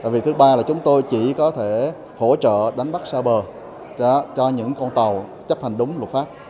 việc thứ ba là chúng tôi chỉ có thể hỗ trợ đánh bắt xa bờ cho những con tàu chấp hành đúng luật pháp